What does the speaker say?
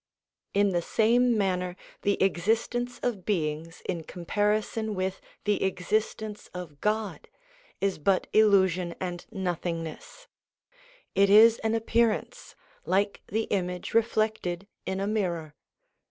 In the same manner the existence of beings in com parison with the existence of God is but illusion and nothingness; it is an appearance, like the image reflected in a mirror.